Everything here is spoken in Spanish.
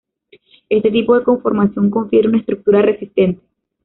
Este tipo de conformación confiere una estructura resistente.